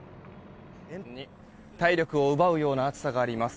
体力を奪うような暑さがあります。